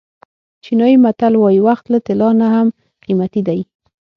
چینایي متل وایي وخت له طلا نه هم قیمتي دی.